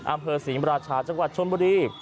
อำเภอศรีมราชาจังหวัดชนบุรี